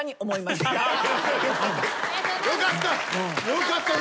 よかった。